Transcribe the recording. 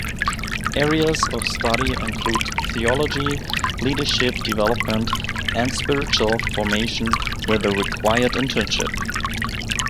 Areas of study include theology, leadership development, and spiritual formation with a required internship.